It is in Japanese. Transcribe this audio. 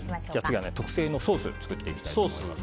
次は特製のソースを作っていきたいと思います。